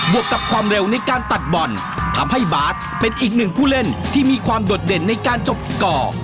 วกกับความเร็วในการตัดบอลทำให้บาสเป็นอีกหนึ่งผู้เล่นที่มีความโดดเด่นในการจบสกอร์